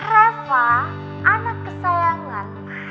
reva anak kesayangan mas